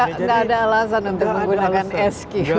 jadi gak ada alasan untuk menggunakan sq atau